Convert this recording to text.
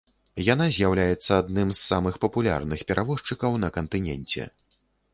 Яна з'яўляецца адным з самых папулярных перавозчыкаў на кантыненце.